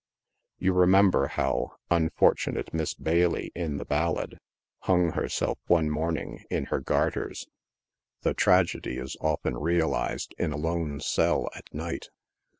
You remember how " unfortunate Miss Bailey," in the ballad, " hung herself, one morning, in her garters." The tragedy is often realized in the lone cell, at night.